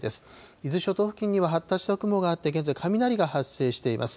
伊豆諸島付近には発達した雲があって、現在、雷が発生しています。